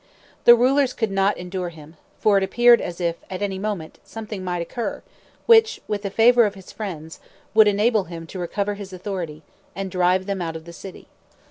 The rulers could not endure him, for it appeared as if, at any moment, something might occur, which, with the favor of his friends, would enable him to recover his authority, and drive them out of the city.